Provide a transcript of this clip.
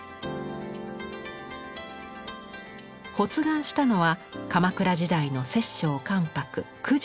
発願したのは鎌倉時代の摂政・関白九条